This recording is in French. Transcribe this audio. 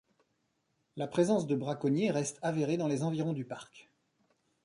La présence de braconniers reste avérée dans les environs du parc.